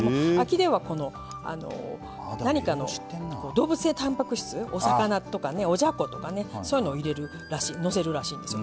動物性たんぱく質お魚とかねおじゃことかねそういうのをのせるらしいですよ